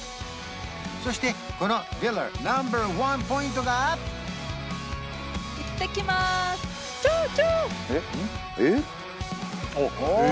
そしてこのヴィラナンバーワンポイントがあっへえ！